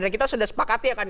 kita sudah sepakat ya kan